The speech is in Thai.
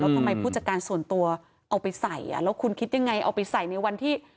ทำไมผู้จัดการส่วนตัวเอาไปใส่แล้วคุณคิดยังไงเอาไปใส่ในวันที่